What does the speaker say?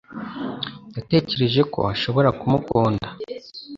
Yatekereje ko ashobora kumukunda